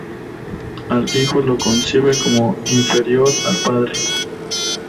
Al Hijo lo concibe como inferior al Padre.